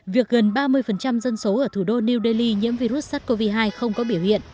việc gần ba mươi dân số ở thủ đô new delhi nhiễm virus sars cov hai không có biểu hiện